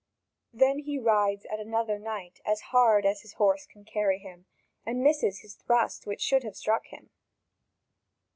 Then he rides at another knight as hard as his horse can carry him, and misses his thrust which should have struck him.